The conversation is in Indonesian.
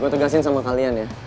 gue tegasin sama kalian ya